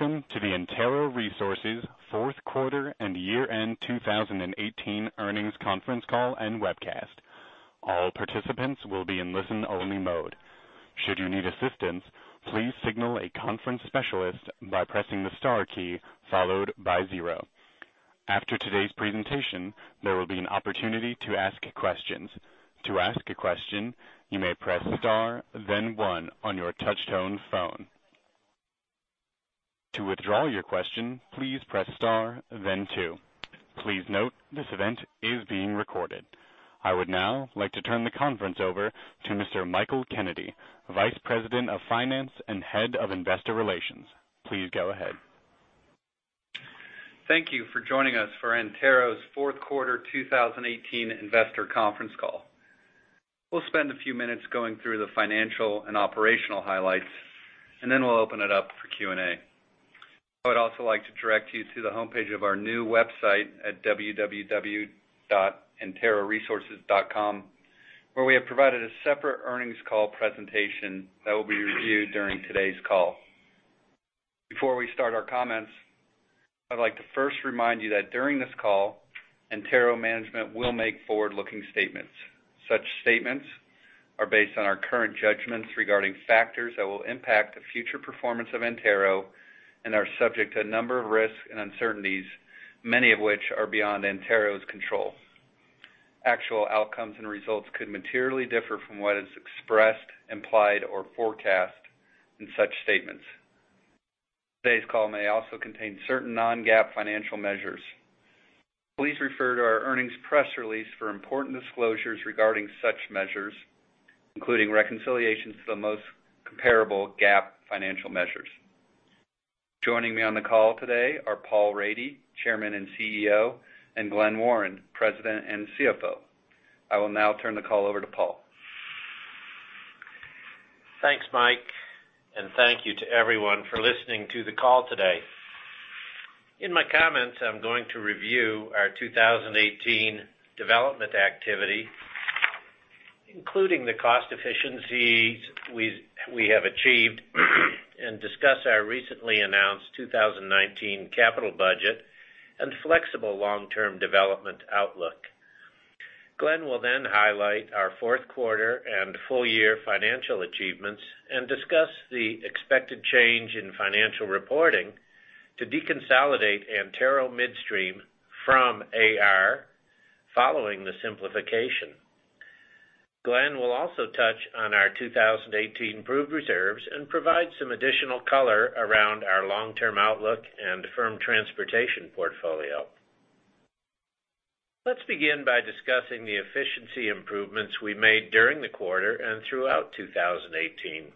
Good day, and welcome to the Antero Resources fourth quarter and year-end 2018 earnings conference call and webcast. All participants will be in listen-only mode. Should you need assistance, please signal a conference specialist by pressing the star key followed by zero. After today's presentation, there will be an opportunity to ask questions. To ask a question, you may press star then one on your touch-tone phone. To withdraw your question, please press star then two. Please note, this event is being recorded. I would now like to turn the conference over to Mr. Michael Kennedy, Vice President of Finance and Head of Investor Relations. Please go ahead. Thank you for joining us for Antero's fourth quarter 2018 investor conference call. We'll spend a few minutes going through the financial and operational highlights, and then we'll open it up for Q&A. I would also like to direct you to the homepage of our new website at www.anteroresources.com, where we have provided a separate earnings call presentation that will be reviewed during today's call. Before we start our comments, I'd like to first remind you that during this call, Antero management will make forward-looking statements. Such statements are based on our current judgments regarding factors that will impact the future performance of Antero and are subject to a number of risks and uncertainties, many of which are beyond Antero's control. Actual outcomes and results could materially differ from what is expressed, implied, or forecast in such statements. Today's call may also contain certain non-GAAP financial measures. Please refer to our earnings press release for important disclosures regarding such measures, including reconciliations to the most comparable GAAP financial measures. Joining me on the call today are Paul Rady, Chairman and CEO, and Glen Warren, President and CFO. I will now turn the call over to Paul. Thanks, Mike, and thank you to everyone for listening to the call today. In my comments, I'm going to review our 2018 development activity, including the cost efficiencies we have achieved, and discuss our recently announced 2019 capital budget and flexible long-term development outlook. Glen will then highlight our fourth quarter and full-year financial achievements and discuss the expected change in financial reporting to deconsolidate Antero Midstream from AR following the simplification. Glen will also touch on our 2018 proved reserves and provide some additional color around our long-term outlook and firm transportation portfolio. Let's begin by discussing the efficiency improvements we made during the quarter and throughout 2018.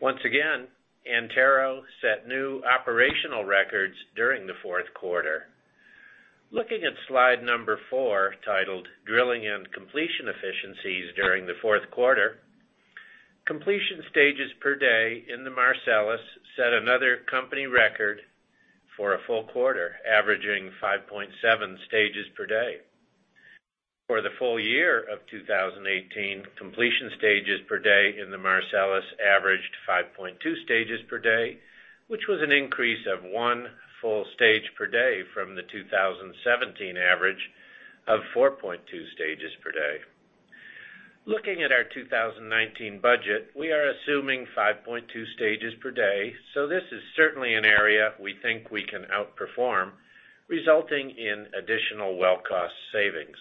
Once again, Antero set new operational records during the fourth quarter. Looking at slide four, titled Drilling and Completion Efficiencies during the fourth quarter, completion stages per day in the Marcellus set another company record for a full quarter, averaging 5.7 stages per day. For the full year of 2018, completion stages per day in the Marcellus averaged 5.2 stages per day, which was an increase of one full stage per day from the 2017 average of 4.2 stages per day. Looking at our 2019 budget, we are assuming 5.2 stages per day, this is certainly an area we think we can outperform, resulting in additional well cost savings.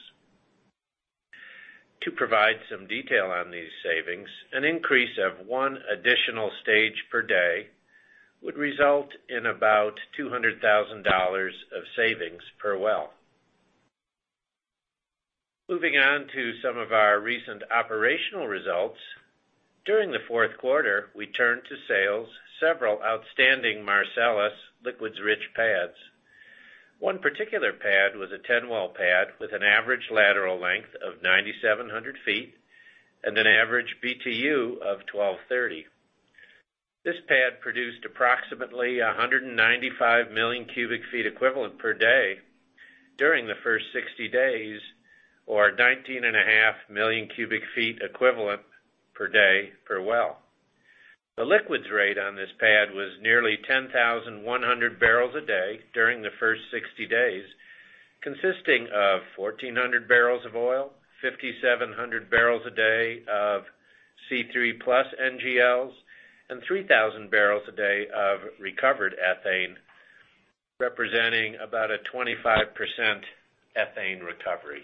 To provide some detail on these savings, an increase of one additional stage per day would result in about $200,000 of savings per well. Moving on to some of our recent operational results. During the fourth quarter, we turned to sales several outstanding Marcellus liquids-rich pads. One particular pad was a 10-well pad with an average lateral length of 9,700 feet and an average BTU of 1,230. This pad produced approximately 195 million cubic feet equivalent per day during the first 60 days, or 19.5 million cubic feet equivalent per day per well. The liquids rate on this pad was nearly 10,100 barrels a day during the first 60 days, consisting of 1,400 barrels of oil, 5,700 barrels a day of C3+ NGLs, and 3,000 barrels a day of recovered ethane, representing about a 25% ethane recovery.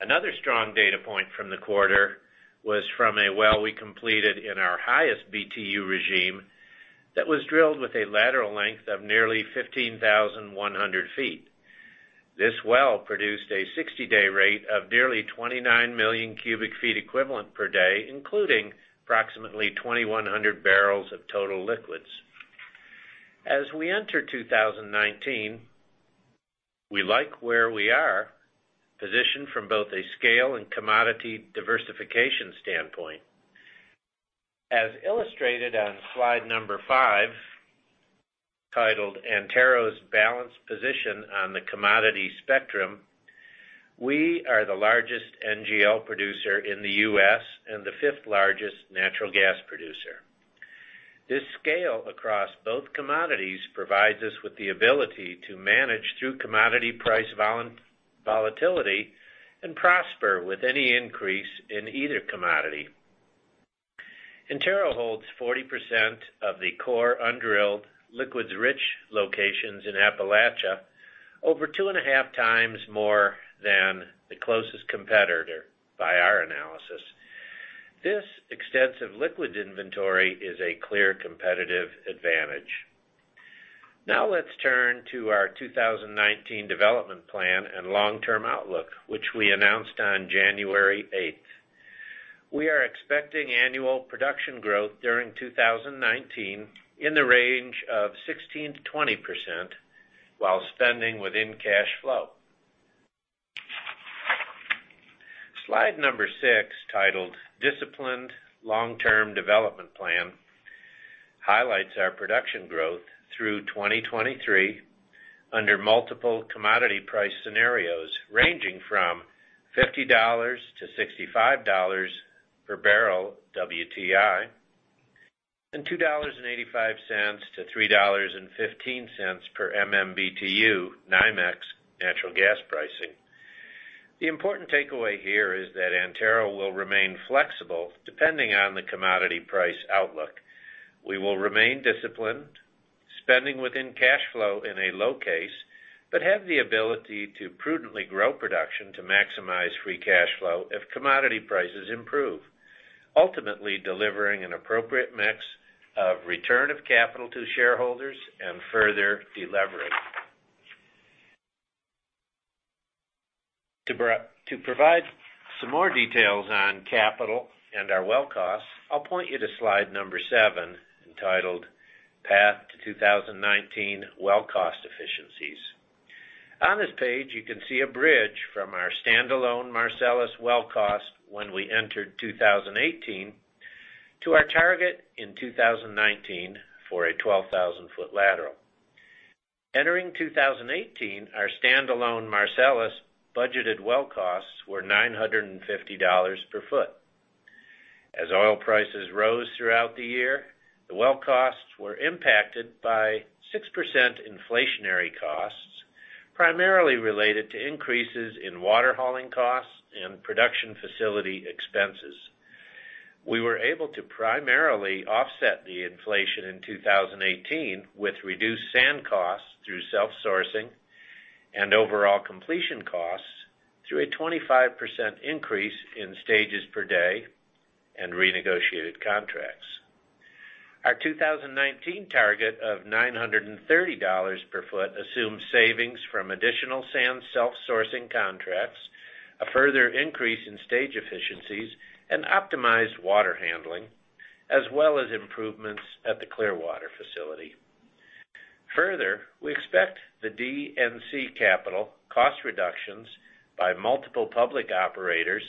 Another strong data point from the quarter was from a well we completed in our highest BTU regime that was drilled with a lateral length of nearly 15,100 feet. This well produced a 60-day rate of nearly 29 million cubic feet equivalent per day, including approximately 2,100 barrels of total liquids. As we enter 2019, we like where we are, positioned from both a scale and commodity diversification standpoint. As illustrated on slide five titled Antero's Balanced Position on the Commodity Spectrum. We are the largest NGL producer in the U.S. and the fifth-largest natural gas producer. This scale across both commodities provides us with the ability to manage through commodity price volatility and prosper with any increase in either commodity. Antero holds 40% of the core undrilled liquids-rich locations in Appalachia over two and a half times more than the closest competitor by our analysis. This extensive liquids inventory is a clear competitive advantage. Let's turn to our 2019 development plan and long-term outlook, which we announced on January 8th. We are expecting annual production growth during 2019 in the range of 16%-20% while spending within cash flow. Slide six, titled Disciplined Long-Term Development Plan, highlights our production growth through 2023 under multiple commodity price scenarios, ranging from $50-$65 per barrel WTI, and $2.85-$3.15 per MMBtu NYMEX natural gas pricing. The important takeaway here is that Antero will remain flexible depending on the commodity price outlook. We will remain disciplined, spending within cash flow in a low case, have the ability to prudently grow production to maximize free cash flow if commodity prices improve, ultimately delivering an appropriate mix of return of capital to shareholders and further de-levering. To provide some more details on capital and our well costs, I'll point you to slide seven, entitled Path to 2019 Well Cost Efficiencies. On this page, you can see a bridge from our standalone Marcellus well cost when we entered 2018 to our target in 2019 for a 12,000-foot lateral. Entering 2018, our standalone Marcellus budgeted well costs were $950 per foot. As oil prices rose throughout the year, the well costs were impacted by 6% inflationary costs, primarily related to increases in water hauling costs and production facility expenses. We were able to primarily offset the inflation in 2018 with reduced sand costs through self-sourcing and overall completion costs through a 25% increase in stages per day and renegotiated contracts. Our 2019 target of $930 per foot assumes savings from additional sand self-sourcing contracts, a further increase in stage efficiencies and optimized water handling, as well as improvements at the Antero Clearwater Facility. We expect the D&C capital cost reductions by multiple public operators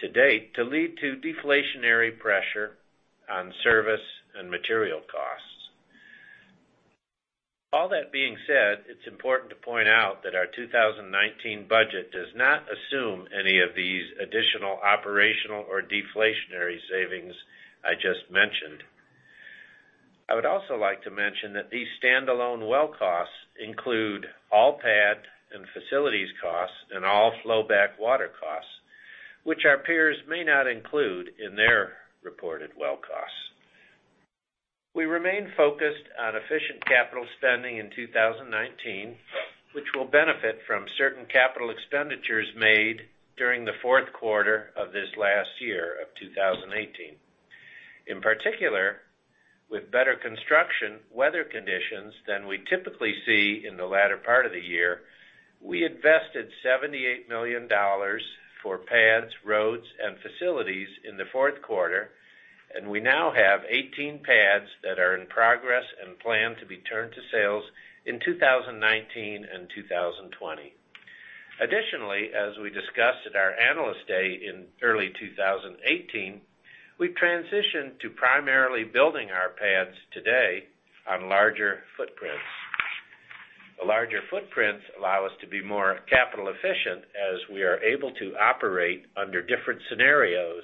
to date to lead to deflationary pressure on service and material costs. It's important to point out that our 2019 budget does not assume any of these additional operational or deflationary savings I just mentioned. I would also like to mention that these standalone well costs include all pad and facilities costs and all flowback water costs, which our peers may not include in their reported well costs. We remain focused on efficient capital spending in 2019, which will benefit from certain capital expenditures made during the fourth quarter of this last year of 2018. In particular, with better construction weather conditions than we typically see in the latter part of the year, we invested $78 million for pads, roads, and facilities in the fourth quarter, and we now have 18 pads that are in progress and plan to be turned to sales in 2019 and 2020. As we discussed at our Analyst Day in early 2018, we've transitioned to primarily building our pads today on larger footprints. The larger footprints allow us to be more capital efficient as we are able to operate under different scenarios,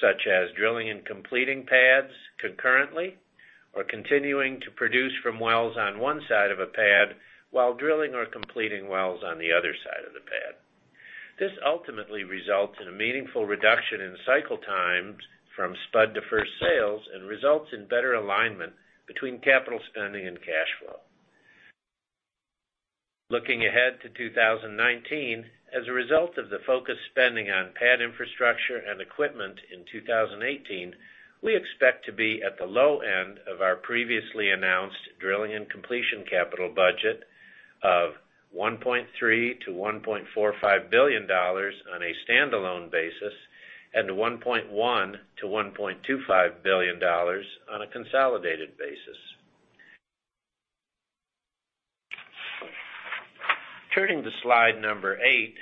such as drilling and completing pads concurrently or continuing to produce from wells on one side of a pad while drilling or completing wells on the other side of the pad. This ultimately results in a meaningful reduction in cycle times from spud to first sales and results in better alignment between capital spending and cash flow. Looking ahead to 2019, as a result of the focused spending on pad infrastructure and equipment in 2018, we expect to be at the low end of our previously announced D&C capital budget of $1.3 billion-$1.45 billion on a standalone basis and $1.1 billion-$1.25 billion on a consolidated basis. Turning to slide number eight,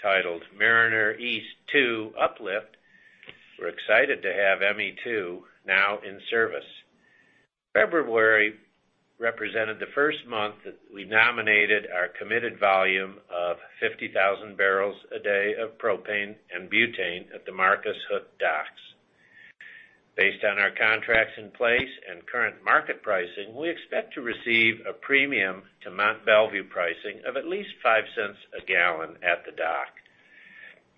titled Mariner East 2 Uplift. We're excited to have ME2 now in service. February represented the first month that we nominated our committed volume of 50,000 barrels a day of propane and butane at the Marcus Hook docks. Based on our contracts in place and current market pricing, we expect to receive a premium to Mont Belvieu pricing of at least $0.05 a gallon at the dock.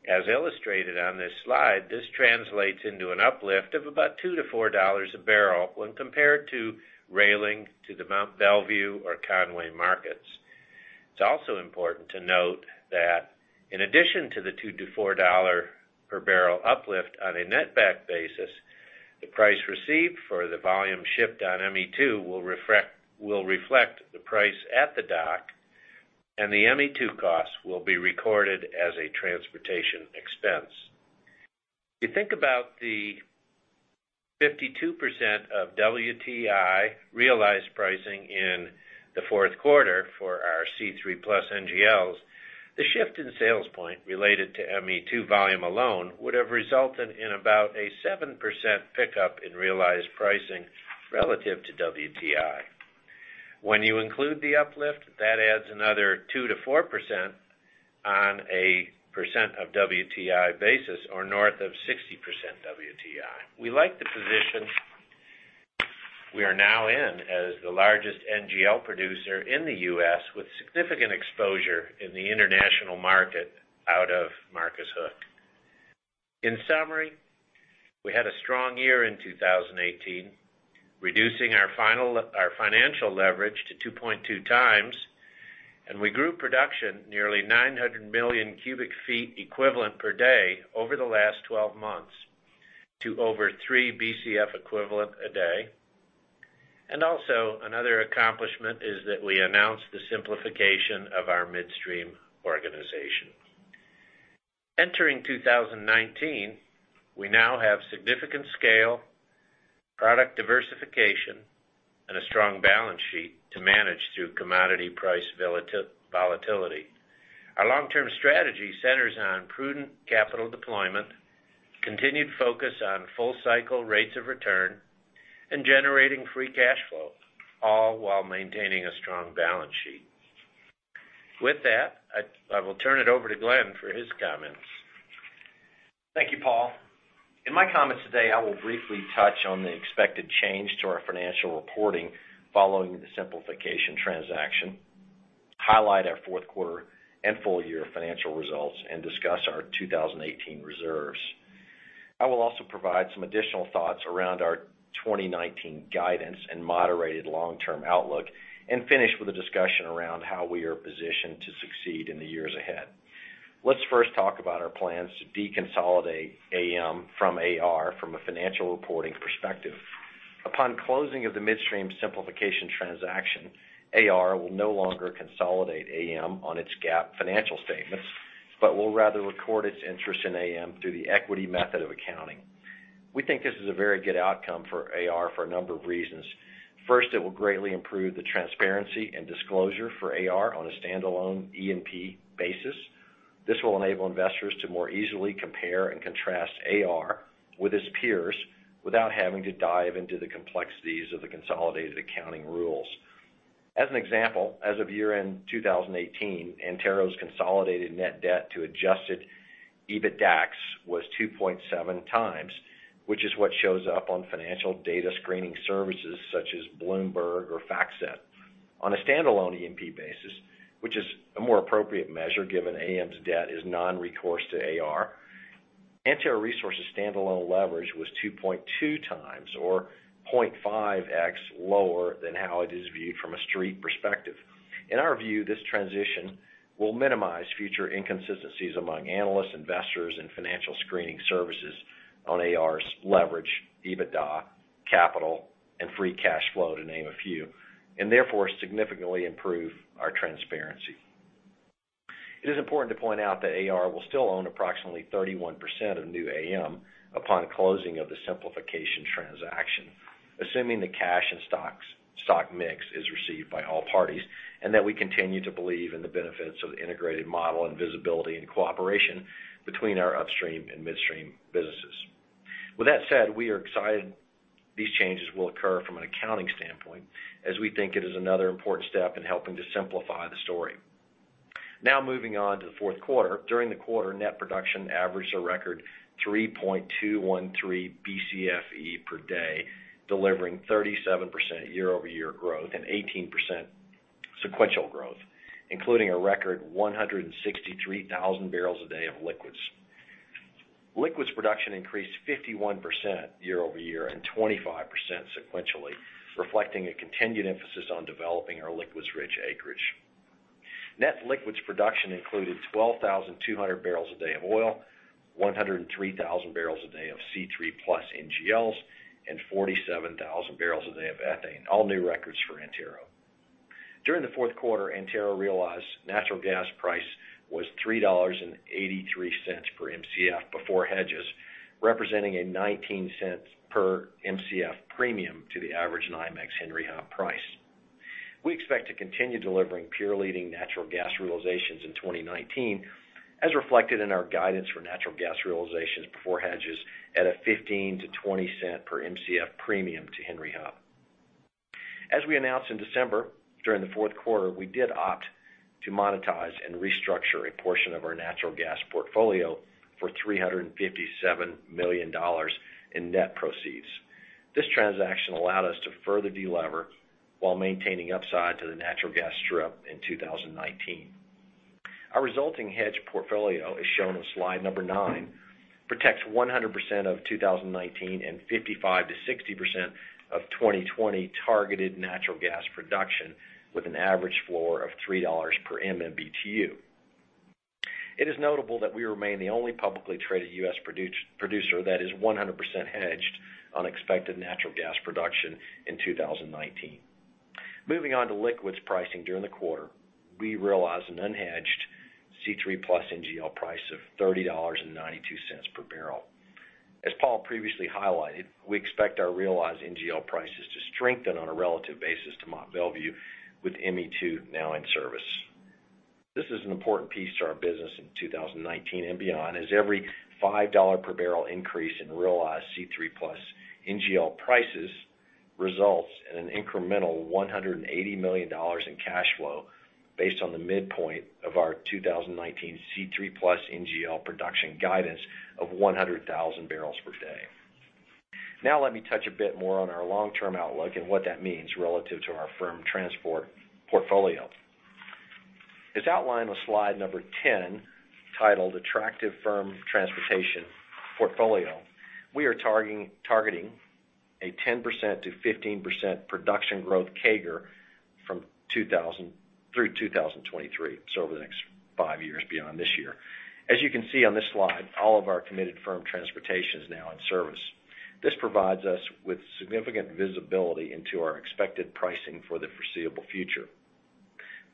As illustrated on this slide, this translates into an uplift of about $2-$4 a barrel when compared to railing to the Mont Belvieu or Conway markets. It's also important to note that in addition to the $2-$4 per barrel uplift on a net back basis, the price received for the volume shipped on ME2 will reflect the price at the dock, and the ME2 costs will be recorded as a transportation expense. You think about the 52% of WTI realized pricing in the fourth quarter for our C3+ NGLs. The shift in sales point related to ME2 volume alone would have resulted in about a 7% pickup in realized pricing relative to WTI. When you include the uplift, that adds another 2%-4% on a percent of WTI basis or north of 60% WTI. We like the position we are now in as the largest NGL producer in the U.S. with significant exposure in the international market out of Marcus Hook. In summary, we had a strong year in 2018, reducing our financial leverage to 2.2x, and we grew production nearly 900 million cubic feet equivalent per day over the last 12 months to over 3 BCF equivalent a day. Another accomplishment is that we announced the simplification of our midstream organization. Entering 2019, we now have significant scale, product diversification, and a strong balance sheet to manage through commodity price volatility. Our long-term strategy centers on prudent capital deployment, continued focus on full-cycle rates of return, and generating free cash flow, all while maintaining a strong balance sheet. With that, I will turn it over to Glen for his comments. Thank you, Paul. In my comments today, I will briefly touch on the expected change to our financial reporting following the simplification transaction, highlight our fourth quarter and full year financial results, and discuss our 2018 reserves. I will also provide some additional thoughts around our 2019 guidance and moderated long-term outlook, and finish with a discussion around how we are positioned to succeed in the years ahead. Let's first talk about our plans to deconsolidate AM from AR from a financial reporting perspective. Upon closing of the midstream simplification transaction, AR will no longer consolidate AM on its GAAP financial statements, but will rather record its interest in AM through the equity method of accounting. We think this is a very good outcome for AR for a number of reasons. First, it will greatly improve the transparency and disclosure for AR on a standalone E&P basis. This will enable investors to more easily compare and contrast AR with its peers without having to dive into the complexities of the consolidated accounting rules. As an example, as of year-end 2018, Antero's consolidated net debt to adjusted EBITDAX was 2.7x, which is what shows up on financial data screening services such as Bloomberg or FactSet. On a standalone E&P basis, which is a more appropriate measure given AM's debt is non-recourse to AR, Antero Resources' standalone leverage was 2.2x, or 0.5x lower than how it is viewed from a street perspective. In our view, this transition will minimize future inconsistencies among analysts, investors, and financial screening services on AR's leverage, EBITDA, capital, and free cash flow, to name a few, and therefore significantly improve our transparency. It is important to point out that AR will still own approximately 31% of new AM upon closing of the simplification transaction, assuming the cash and stock mix is received by all parties, and that we continue to believe in the benefits of the integrated model and visibility and cooperation between our upstream and midstream businesses. With that said, we are excited these changes will occur from an accounting standpoint as we think it is another important step in helping to simplify the story. Moving on to the fourth quarter. During the quarter, net production averaged a record 3.213 BCFE per day, delivering 37% year-over-year growth and 18% sequential growth, including a record 163,000 barrels a day of liquids. Liquids production increased 51% year-over-year and 25% sequentially, reflecting a continued emphasis on developing our liquids-rich acreage. Net liquids production included 12,200 barrels a day of oil, 103,000 barrels a day of C3+ NGLs, and 47,000 barrels a day of ethane, all new records for Antero. During the fourth quarter, Antero realized natural gas price was $3.83 per Mcf before hedges, representing a $0.19 per Mcf premium to the average NYMEX Henry Hub price. We expect to continue delivering peer-leading natural gas realizations in 2019, as reflected in our guidance for natural gas realizations before hedges at a $0.15-$0.20 per Mcf premium to Henry Hub. As we announced in December, during the fourth quarter, we did opt to monetize and restructure a portion of our natural gas portfolio for $357 million in net proceeds. This transaction allowed us to further de-lever while maintaining upside to the natural gas strip in 2019. Our resulting hedge portfolio, as shown in slide number nine, protects 100% of 2019 and 55%-60% of 2020 targeted natural gas production with an average floor of $3 per MMBtu. It is notable that we remain the only publicly traded U.S. producer that is 100% hedged on expected natural gas production in 2019. Moving on to liquids pricing during the quarter. We realized an unhedged C3+ NGL price of $30.92 per barrel. As Paul previously highlighted, we expect our realized NGL prices to strengthen on a relative basis to Mont Belvieu with ME2 now in service. This is an important piece to our business in 2019 and beyond, as every $5 per barrel increase in realized C3+ NGL prices results in an incremental $180 million in cash flow based on the midpoint of our 2019 C3+ NGL production guidance of 100,000 barrels per day. Now let me touch a bit more on our long-term outlook and what that means relative to our firm transport portfolio. As outlined on slide number 10, titled Attractive Firm Transportation Portfolio, we are targeting a 10%-15% production growth CAGR through 2023, so over the next five years beyond this year. As you can see on this slide, all of our committed firm transportation is now in service. This provides us with significant visibility into our expected pricing for the foreseeable future.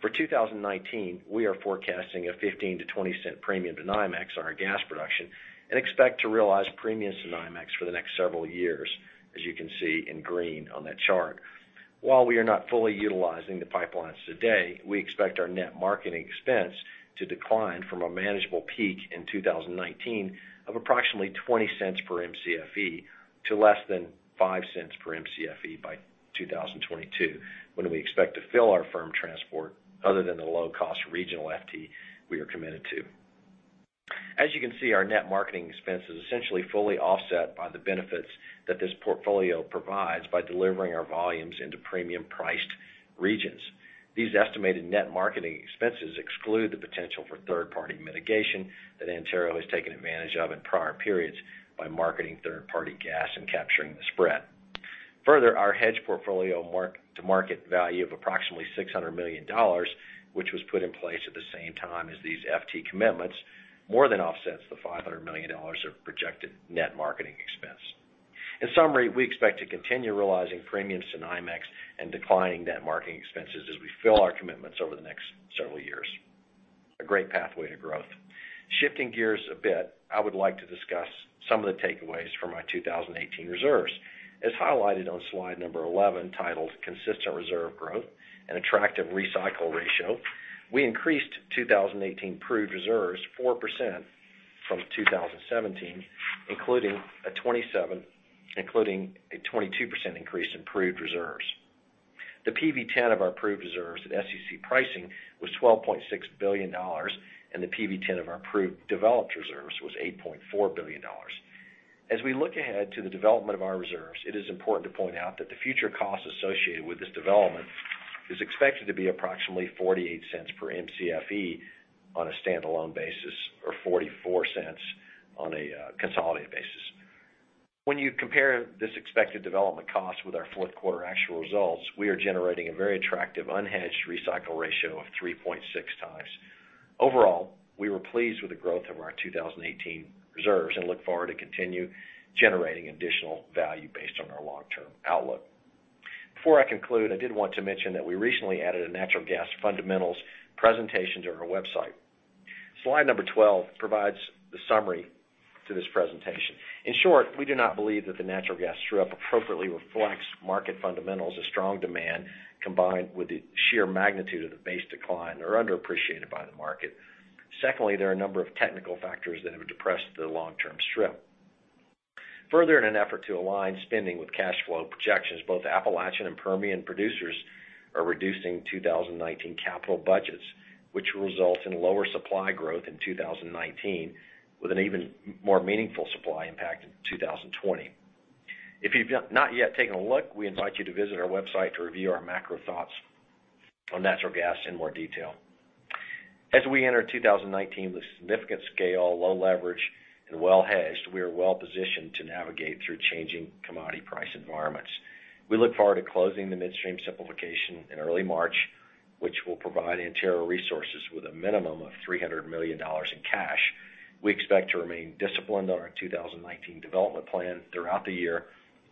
For 2019, we are forecasting a $0.15-$0.20 premium to NYMEX on our gas production and expect to realize premiums to NYMEX for the next several years, as you can see in green on that chart. While we are not fully utilizing the pipelines today, we expect our net marketing expense to decline from a manageable peak in 2019 of approximately $0.20 per Mcfe to less than $0.05 per Mcfe by 2022, when we expect to fill our firm transport other than the low-cost regional FT we are committed to. As you can see, our net marketing expense is essentially fully offset by the benefits that this portfolio provides by delivering our volumes into premium-priced regions. These estimated net marketing expenses exclude the potential for third-party mitigation that Antero has taken advantage of in prior periods by marketing third-party gas and capturing the spread. Further, our hedge portfolio mark-to-market value of approximately $600 million, which was put in place at the same time as these FT commitments, more than offsets the $500 million of projected net marketing expense. In summary, we expect to continue realizing premiums to NYMEX and declining net marketing expenses as we fill our commitments over the next several years. A great pathway to growth. Shifting gears a bit, I would like to discuss some of the takeaways from our 2018 reserves. As highlighted on slide number 11, titled Consistent Reserve Growth and Attractive Recycle Ratio, we increased 2018 proved reserves 4% from 2017, including a 22% increase in proved reserves. The PV-10 of our proved reserves at SEC pricing was $12.6 billion, and the PV-10 of our proved developed reserves was $8.4 billion. As we look ahead to the development of our reserves, it is important to point out that the future costs associated with this development is expected to be approximately $0.48 per Mcfe on a standalone basis, or $0.44 on a consolidated basis. When you compare this expected development cost with our fourth quarter actual results, we are generating a very attractive unhedged recycle ratio of 3.6 times. Overall, we were pleased with the growth of our 2018 reserves and look forward to continue generating additional value based on our long-term outlook. Before I conclude, I did want to mention that we recently added a natural gas fundamentals presentation to our website. Slide number 12 provides the summary to this presentation. In short, we do not believe that the natural gas strip appropriately reflects market fundamentals as strong demand combined with the sheer magnitude of the base decline are underappreciated by the market. Secondly, there are a number of technical factors that have depressed the long-term strip. In an effort to align spending with cash flow projections, both Appalachian and Permian producers are reducing 2019 capital budgets, which will result in lower supply growth in 2019 with an even more meaningful supply impact in 2020. If you've not yet taken a look, we invite you to visit our website to review our macro thoughts on natural gas in more detail. As we enter 2019 with significant scale, low leverage, and well-hedged, we are well-positioned to navigate through changing commodity price environments. We look forward to closing the midstream simplification in early March, which will provide Antero Resources with a minimum of $300 million in cash. We expect to remain disciplined on our 2019 development plan throughout the year,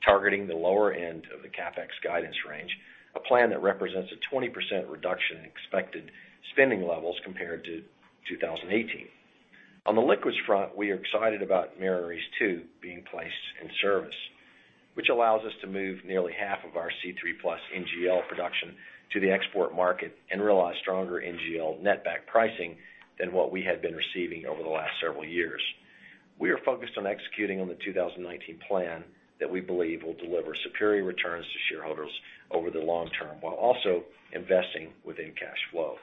targeting the lower end of the CapEx guidance range, a plan that represents a 20% reduction in expected spending levels compared to 2018. On the liquids front, we are excited about Mariner East 2 being placed in service, which allows us to move nearly half of our C3+ NGL production to the export market and realize stronger NGL net back pricing than what we had been receiving over the last several years. We are focused on executing on the 2019 plan that we believe will deliver superior returns to shareholders over the long term, while also investing within cash flow.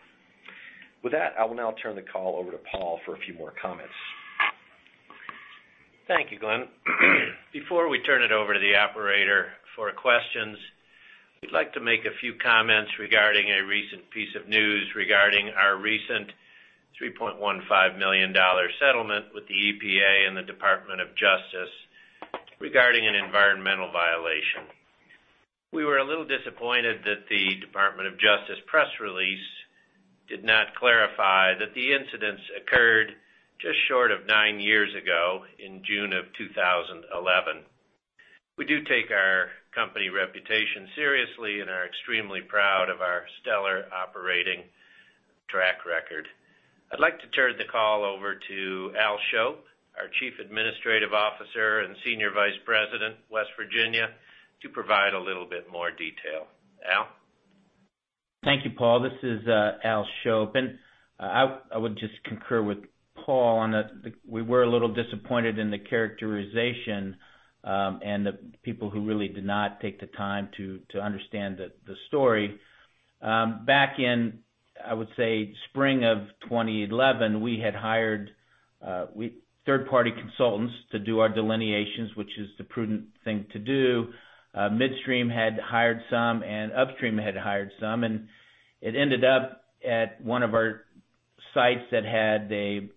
With that, I will now turn the call over to Paul for a few more comments. Thank you, Glenn. Before we turn it over to the operator for questions, we'd like to make a few comments regarding a recent piece of news regarding our recent $3.15 million settlement with the EPA and the Department of Justice regarding an environmental violation. We were a little disappointed that the Department of Justice press release did not clarify that the incidents occurred just short of nine years ago, in June of 2011. We do take our company reputation seriously and are extremely proud of our stellar operating track record. I'd like to turn the call over to Al Schopp, our Chief Administrative Officer and Senior Vice President, West Virginia, to provide a little bit more detail. Al? Thank you, Paul. This is Al Schopp I would just concur with Paul on that we were a little disappointed in the characterization, and the people who really did not take the time to understand the story. Back in, I would say, spring of 2011, we had hired third-party consultants to do our delineations, which is the prudent thing to do. Midstream had hired some, and upstream had hired some. It ended up at one of our sites that had a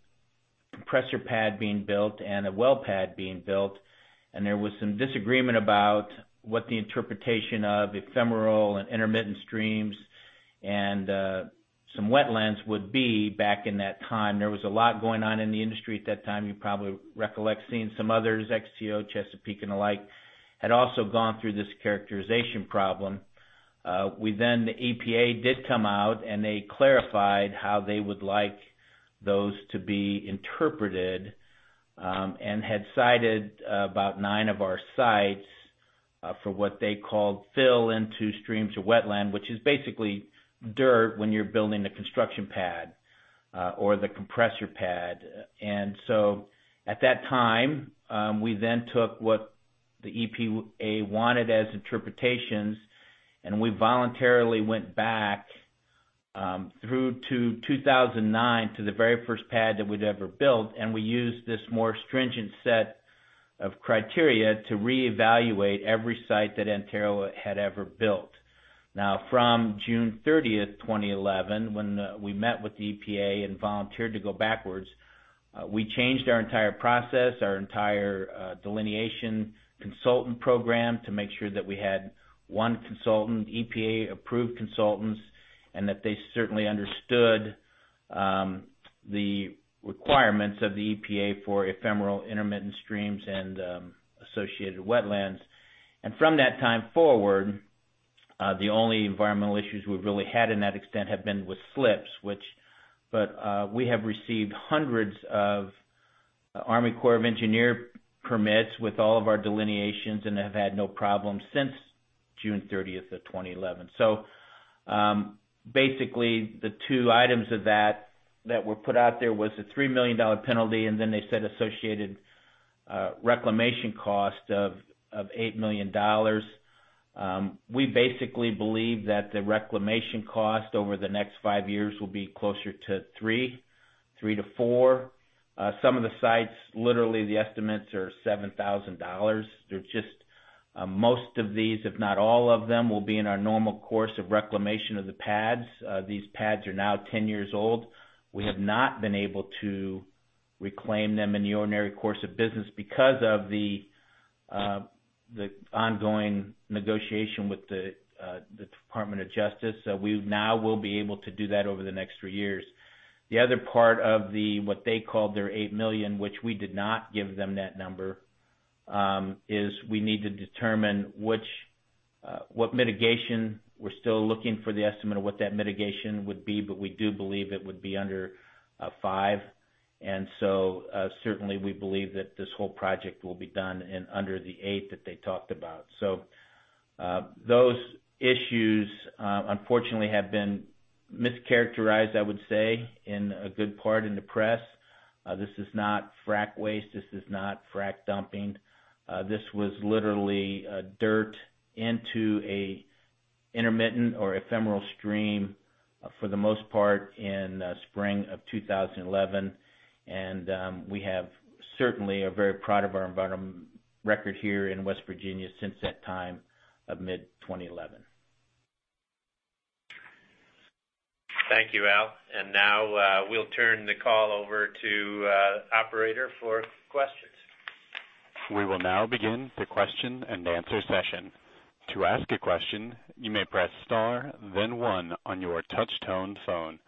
compressor pad being built and a well pad being built, and there was some disagreement about what the interpretation of ephemeral and intermittent streams and some wetlands would be back in that time. There was a lot going on in the industry at that time. You probably recollect seeing some others, XTO, Chesapeake and the like, had also gone through this characterization problem. The EPA did come out, they clarified how they would like those to be interpreted, and had cited about nine of our sites, for what they called fill into streams or wetland, which is basically dirt when you're building a construction pad, or the compressor pad. At that time, we then took what the EPA wanted as interpretations, we voluntarily went back through to 2009 to the very first pad that we'd ever built, and we used this more stringent set of criteria to reevaluate every site that Antero had ever built. From June 30th, 2011, when we met with the EPA and volunteered to go backwards, we changed our entire process, our entire delineation consultant program, to make sure that we had one consultant, EPA-approved consultants, and that they certainly understood the requirements of the EPA for ephemeral intermittent streams and associated wetlands. From that time forward, the only environmental issues we've really had in that extent have been with slips. We have received hundreds of Army Corps of Engineers permits with all of our delineations and have had no problems since June 30, 2011. Basically, the two items of that that were put out there was a $3 million penalty, and then they said associated reclamation cost of $8 million. We basically believe that the reclamation cost over the next five years will be closer to three to four. Some of the sites, literally, the estimates are $7,000. Most of these, if not all of them, will be in our normal course of reclamation of the pads. These pads are now 10 years old. We have not been able to reclaim them in the ordinary course of business because of the ongoing negotiation with the Department of Justice. We now will be able to do that over the next three years. The other part of what they called their $8 million, which we did not give them that number, is we need to determine what mitigation. We are still looking for the estimate of what that mitigation would be, but we do believe it would be under $5 million. Certainly, we believe that this whole project will be done in under the $8 million that they talked about. Those issues, unfortunately, have been mischaracterized, I would say, in a good part in the press. This is not frack waste. This is not frack dumping. This was literally dirt into an intermittent or ephemeral stream, for the most part, in spring of 2011. We have certainly are very proud of our environmental record here in West Virginia since that time of mid-2011. Thank you, Al Schopf. Now, we will turn the call over to operator for questions. We will now begin the question and answer session. To ask a question, you may press star 1 on your touch tone phone.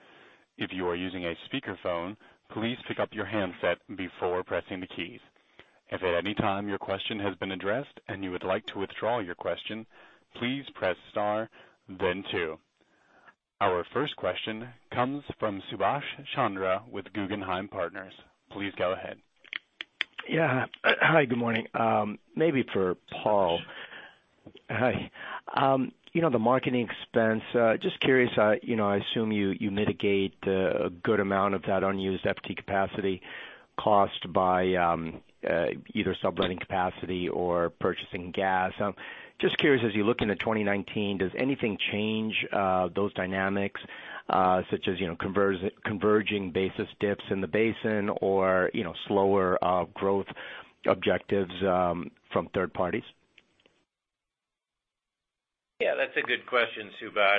If you are using a speakerphone, please pick up your handset before pressing the keys. If at any time your question has been addressed and you would like to withdraw your question, please press star 2. Our first question comes from Subash Chandra with Guggenheim Partners. Please go ahead. Yeah. Hi, good morning. Maybe for Paul. Hi. The marketing expense, just curious, I assume you mitigate a good amount of that unused FT capacity cost by either subletting capacity or purchasing gas. Just curious, as you look into 2019, does anything change those dynamics? Such as, converging basis dips in the basin or slower growth objectives from third parties? Yeah, that's a good question, Subash.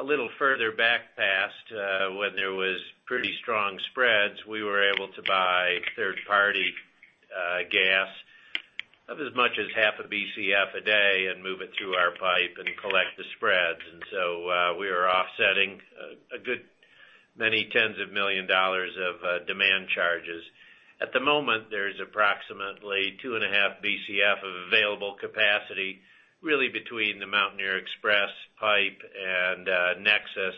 A little further back past when there was pretty strong spreads, we were able to buy third-party gas of as much as half a BCF a day and move it through our pipe and collect the spreads. We were offsetting a good many tens of million dollars of demand charges. At the moment, there's approximately two and a half BCF of available capacity, really between the Mountaineer XPress pipe and Nexus.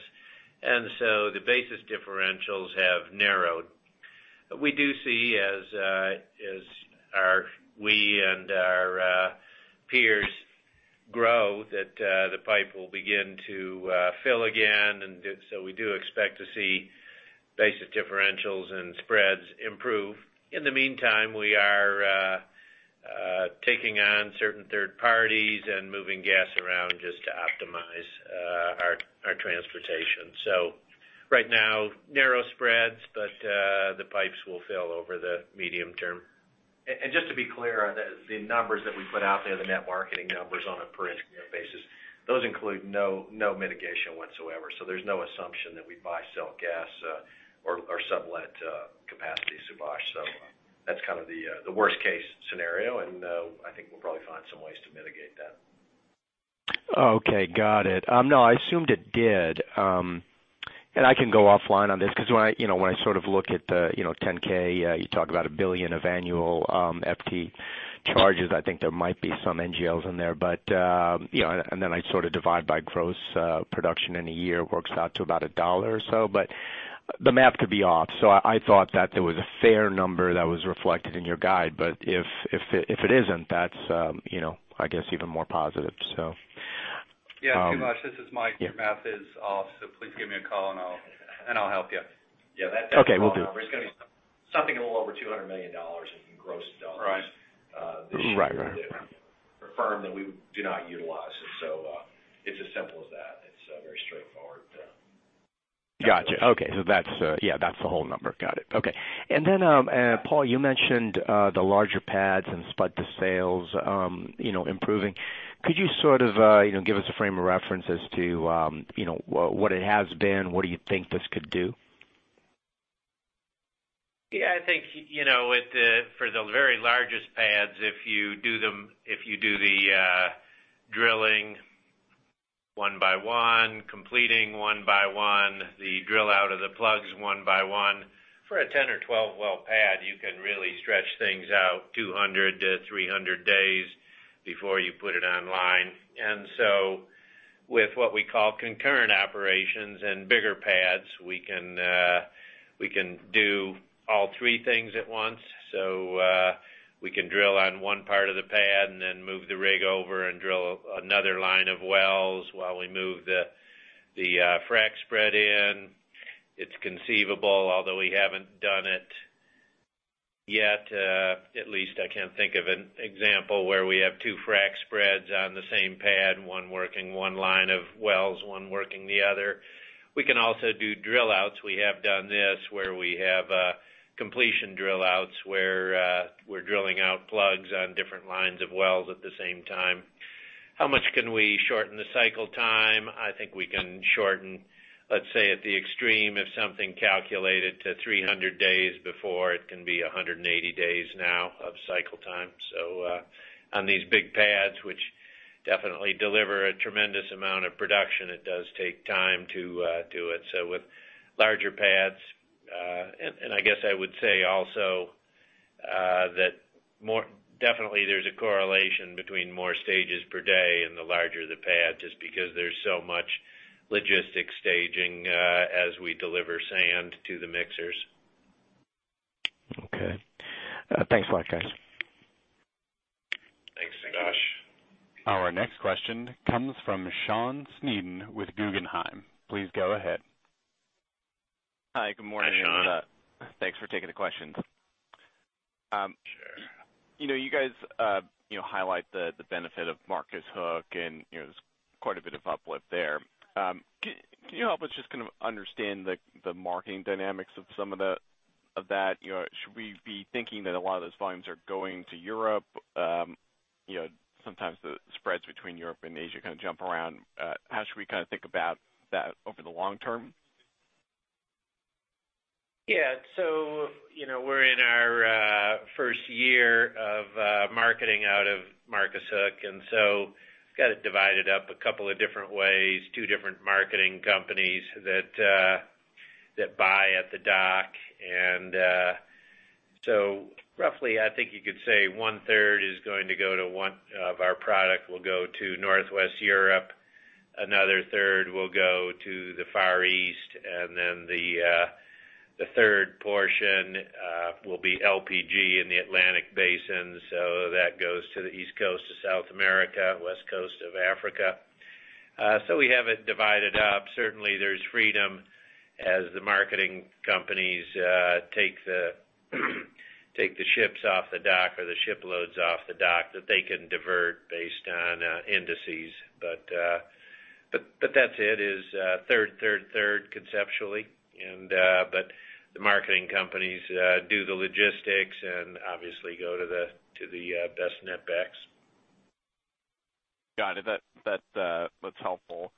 The basis differentials have narrowed. We do see as we and our peers grow, that the pipe will begin to fill again. We do expect to see basis differentials and spreads improve. In the meantime, we are taking on certain third parties and moving gas around just to optimize our transportation. Right now, narrow spreads, the pipes will fill over the medium term. Just to be clear, the numbers that we put out there, the net marketing numbers on a per basis, those include no mitigation whatsoever. There's no assumption that we buy, sell gas, or sublet capacity, Subash. That's kind of the worst case scenario, and I think we'll probably find some ways to mitigate that. Okay. Got it. No, I assumed it did. I can go offline on this because when I sort of look at the 10-K, you talk about $1 billion of annual FT charges. I think there might be some NGLs in there. Then I sort of divide by gross production in a year, works out to about $1 or so, but the math could be off. I thought that there was a fair number that was reflected in your guide. If it isn't, that's I guess even more positive, so. Yeah. Subash, this is Mike. Your math is off, so please give me a call and I'll help you. Okay, will do. Yeah, that math is off. It's going to be something a little over $200 million in gross dollars. Right. Firm that we do not utilize. It's as simple as that. It's very straightforward. Gotcha. Okay. That's the whole number. Got it. Okay. Paul, you mentioned the larger pads and spud-to-sales improving. Could you sort of give us a frame of reference as to what it has been? What do you think this could do? Yeah, I think, for the very largest pads, if you do the drilling one by one, completing one by one, the drill out of the plugs one by one. For a 10 or 12-well pad, you can really stretch things out 200 to 300 days before you put it online. With what we call concurrent operations and bigger pads, we can do all three things at once. We can drill on one part of the pad and then move the rig over and drill another line of wells while we move the frack spread in. It's conceivable, although we haven't done it yet, at least I can't think of an example where we have two frack spreads on the same pad, one working one line of wells, one working the other. We can also do drill outs. We have done this where we have completion drill outs, where we're drilling out plugs on different lines of wells at the same time. How much can we shorten the cycle time? I think we can shorten, let's say, at the extreme, if something calculated to 300 days before, it can be 180 days now of cycle time. On these big pads, which definitely deliver a tremendous amount of production, it does take time to do it. With larger pads and I guess I would say also that definitely there's a correlation between more stages per day and the larger the pad, just because there's so much logistics staging as we deliver sand to the mixers. Okay. Thanks a lot, guys. Thanks, Subash. Our next question comes from Sean Sneeden with Guggenheim. Please go ahead. Hi. Good morning. Hi, Sean. Thanks for taking the questions. Sure. You guys highlight the benefit of Marcus Hook, and there's quite a bit of uplift there. Can you help us just kind of understand the marketing dynamics of some of that? Should we be thinking that a lot of those volumes are going to Europe? Sometimes the spreads between Europe and Asia kind of jump around. How should we think about that over the long term? Yeah. We're in our first year of marketing out of Marcus Hook, got it divided up a couple of different ways. Two different marketing companies that buy at the dock, roughly, I think you could say one third of our product will go to Northwest Europe, another third will go to the Far East, and then the third portion will be LPG in the Atlantic Basin. That goes to the East Coast of South America, West Coast of Africa. We have it divided up. Certainly, there's freedom as the marketing companies take the ships off the dock or the shiploads off the dock that they can divert based on indices. That's it, is third, third conceptually. The marketing companies do the logistics and obviously go to the best net backs. Got it. That's helpful.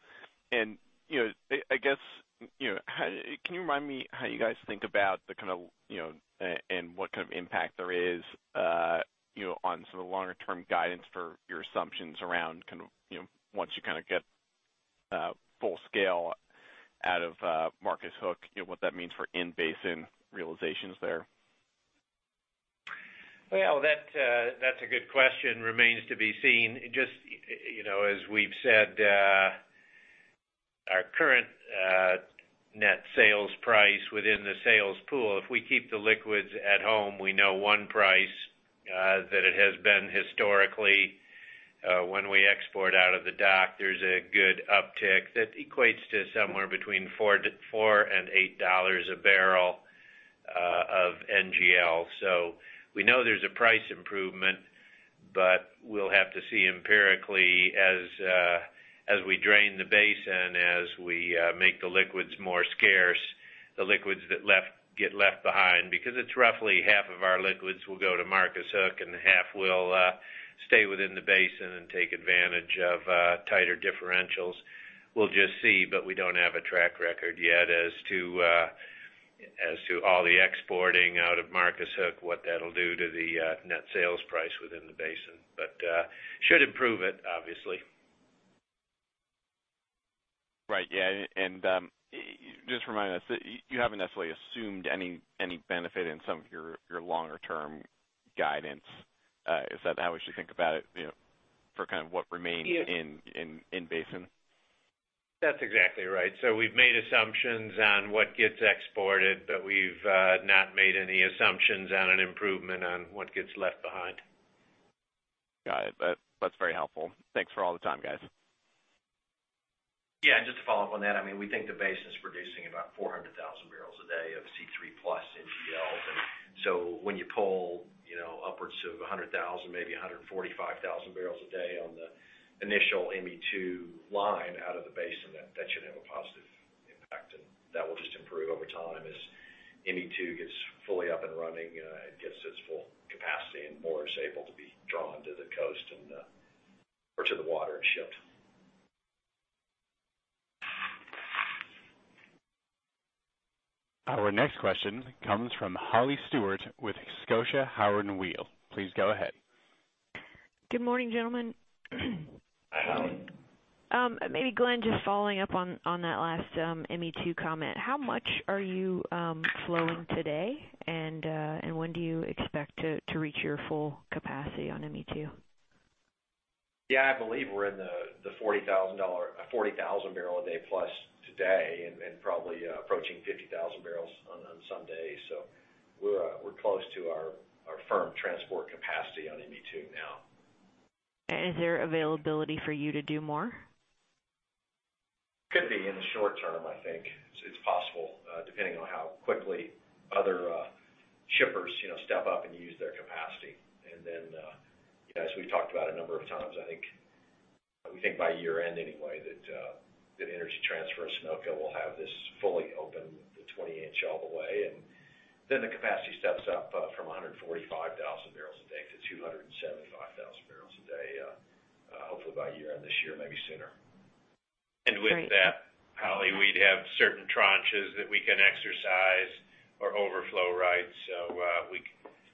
I guess, can you remind me how you guys think about and what kind of impact there is on some of the longer-term guidance for your assumptions around once you get full scale out of Marcus Hook, what that means for in-basin realizations there? Well, that's a good question. Remains to be seen. Just as we've said, our current net sales price within the sales pool, if we keep the liquids at home, we know one price that it has been historically. When we export out of the dock, there's a good uptick that equates to somewhere between $4 and $8 a barrel of NGL. We know there's a price improvement, we'll have to see empirically as we drain the basin, as we make the liquids more scarce, the liquids that get left behind. It's roughly half of our liquids will go to Marcus Hook, and half will stay within the basin and take advantage of tighter differentials. We'll just see, we don't have a track record yet as to all the exporting out of Marcus Hook, what that'll do to the net sales price within the basin. Should improve it, obviously. Right. Yeah. Just remind us, you haven't necessarily assumed any benefit in some of your longer-term guidance. Is that how we should think about it for what remains in basin? That's exactly right. We've made assumptions on what gets exported, we've not made any assumptions on an improvement on what gets left behind. Got it. That's very helpful. Thanks for all the time, guys. Yeah, just to follow up on that, we think the basin is producing about 400,000 barrels a day of C3+ NGLs. When you pull upwards of 100,000, maybe 145,000 barrels a day on the initial ME2 line out of the basin, that should have a positive impact, and that will just improve over time as ME2 gets fully up and running and gets to its full capacity and more is able to be drawn to the coast or to the water and shipped. Our next question comes from Holly Stewart with Scotia Howard Weil. Please go ahead. Good morning, gentlemen. Maybe Glen, just following up on that last ME2 comment, how much are you flowing today, and when do you expect to reach your full capacity on ME2? Yeah, I believe we're in the 40,000 barrel a day plus today, and probably approaching 50,000 barrels on Sunday. We're close to our firm transport capacity on ME2 now. Is there availability for you to do more? Could be in the short term, I think. It's possible, depending on how quickly other shippers step up and use their capacity. As we've talked about a number of times, I think we think by year-end anyway, that Energy Transfer and Sunoco will have this fully open the 20-inch all the way. The capacity steps up from 145,000 barrels a day to 275,000 barrels a day, hopefully by year-end this year, maybe sooner. Great. With that, Holly, we'd have certain tranches that we can exercise or overflow rights.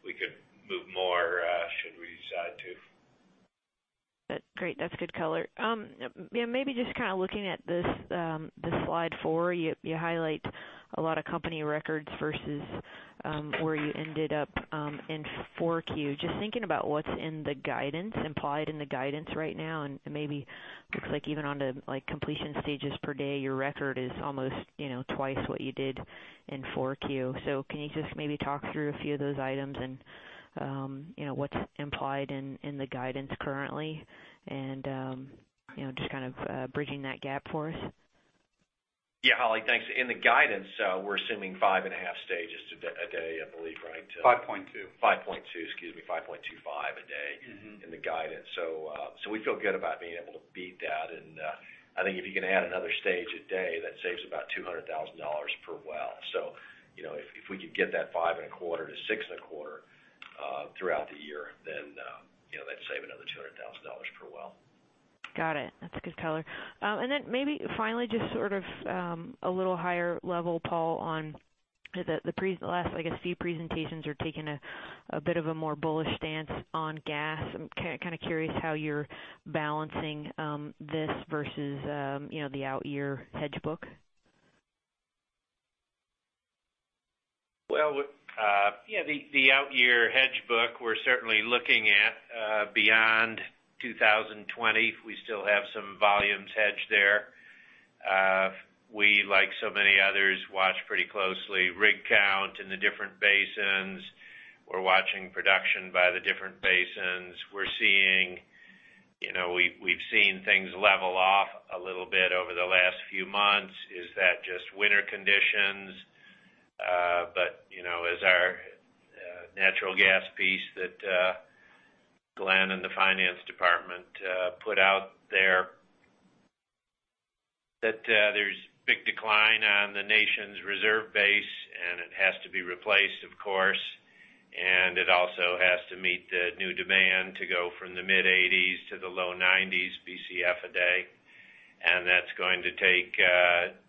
We could move more, should we decide to. Great. That's good color. Maybe just looking at this slide four, you highlight a lot of company records versus where you ended up in 4Q. Just thinking about what's in the guidance, implied in the guidance right now, and maybe looks like even on the completion stages per day, your record is almost twice what you did in 4Q. Can you just maybe talk through a few of those items, and what's implied in the guidance currently, and just kind of bridging that gap for us? Yeah, Holly, thanks. In the guidance, we're assuming 5.5 stages a day, I believe, right? 5.2. 5.2, excuse me, 5.25 a day. -in the guidance. We feel good about being able to beat that. I think if you can add another stage 1 a day, that saves about $200,000 per well. If we could get that five and a quarter to six and a quarter throughout the year, that'd save another $200,000 per well. Got it. That's a good color. Then maybe finally, just sort of a little higher level, Paul, on the last, I guess, few presentations are taking a bit of a more bullish stance on gas. I'm kind of curious how you're balancing this versus the out-year hedge book. The out-year hedge book, we're certainly looking at beyond 2020. We still have some volumes hedged there. We, like so many others, watch pretty closely rig count in the different basins. We're watching production by the different basins. We've seen things level off a little bit over the last few months. Is that just winter conditions? As our natural gas piece that Glen and the finance department put out there, that there's a big decline on the nation's reserve base, and it has to be replaced, of course. It also has to meet the new demand to go from the mid-80s to the low 90s BCF a day, and that's going to take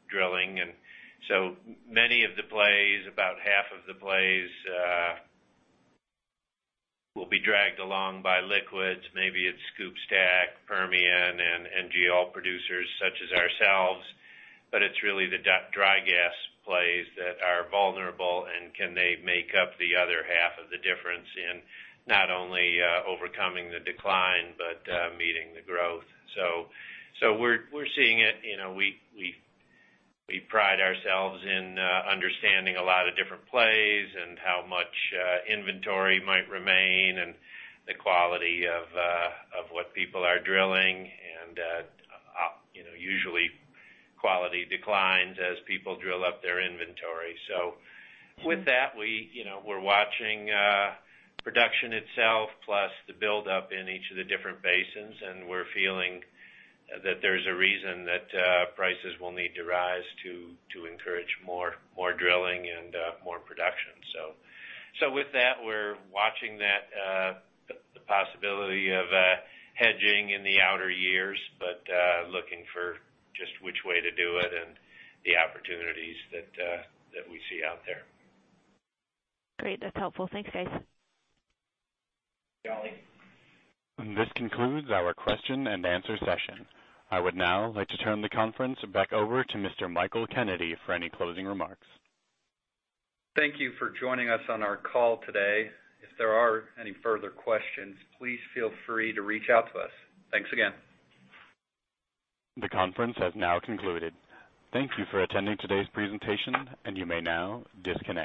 drilling. So many of the plays, about half of the plays, will be dragged along by liquids. Maybe it's SCOOP/STACK, Permian, and NGL producers such as ourselves. It's really the dry gas plays that are vulnerable, and can they make up the other half of the difference in not only overcoming the decline, but meeting the growth. We're seeing it. We pride ourselves in understanding a lot of different plays and how much inventory might remain and the quality of what people are drilling. Usually quality declines as people drill up their inventory. With that, we're watching production itself plus the buildup in each of the different basins, and we're feeling that there's a reason that prices will need to rise to encourage more drilling and more production. With that, we're watching the possibility of hedging in the outer years, but looking for just which way to do it and the opportunities that we see out there. Great. That's helpful. Thanks, guys. Holly. This concludes our question and answer session. I would now like to turn the conference back over to Mr. Michael Kennedy for any closing remarks. Thank you for joining us on our call today. If there are any further questions, please feel free to reach out to us. Thanks again. The conference has now concluded. Thank you for attending today's presentation, and you may now disconnect.